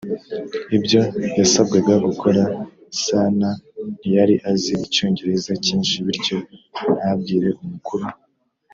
ibyo yasabwaga gukora Sanaa ntiyari azi Icyongereza cyinshi bityo ntabwire umukuru